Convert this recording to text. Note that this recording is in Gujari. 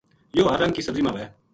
یوہ ہر رنگ کی سبزیاں ما وھے